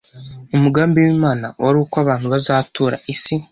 Umugambi w’Imana wari uko abantu bazatura isi